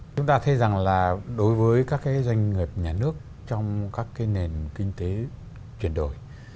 chúng ta thấy rằng là đối với các cái doanh nghiệp nhà nước trong các cái nền kinh tế chuyển đổi